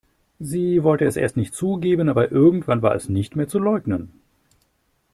Sie wollte es erst nicht zugeben, aber irgendwann war es nicht mehr zu leugnen.